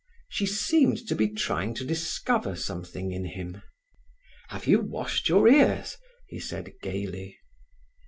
She seemed to be trying to discover something in him. "Have you washed your ears?" he said gaily.